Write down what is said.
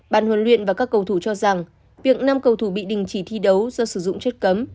bàn huấn luyện và các cầu thủ cho rằng việc năm cầu thủ bị đình chỉ thi đấu do sử dụng chất cấm